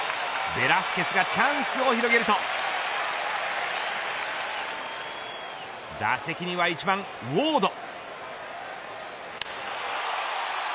ベラスケスがチャンスを広げると打席には１番ウォード。